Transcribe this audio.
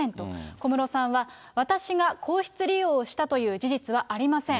小室さんは、私が皇室利用をしたという事実はありません。